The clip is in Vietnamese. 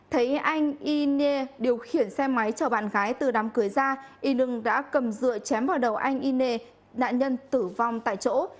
thấy anh y nê điều khiển xe máy chở bạn gái từ đám cưới ra y nương đã cầm dựa chém vào đầu anh y nê nạn nhân tử vong tại chỗ